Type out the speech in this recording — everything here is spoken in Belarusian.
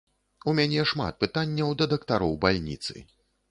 У мяне шмат пытанняў да дактароў бальніцы.